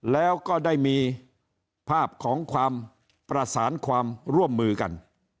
แล้วก็ได้มีภาพของความประสานความร่วมมือกัน